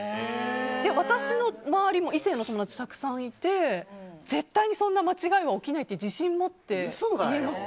私の周りも、異性の友達たくさんいて絶対にそんな間違いは起きないと自信を持って言えます。